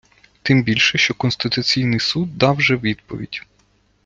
Тим більше, що Конституційний суд дав вже відповідь.